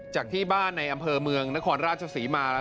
จากที่บ้านในอำเภอเมืองนครราชศรีมา